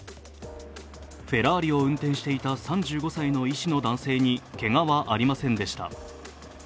フェラーリを運転していた３５歳の医師の男性にけがはありませんでした。